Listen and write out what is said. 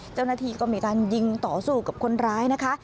เจ้าหน้าที่ก็มีการยิงต่อสู้กับคนร้ายนะคะ